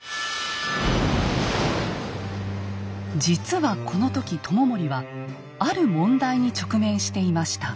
実はこの時知盛はある問題に直面していました。